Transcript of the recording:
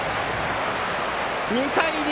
２対２